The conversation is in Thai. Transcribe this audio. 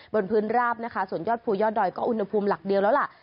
บนพื้นราบนะคะส่วนยอดภูยอดดอยก็อุณหภูมิหลักเดียวแล้วล่ะ